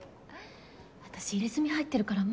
私入れ墨入ってるから無理。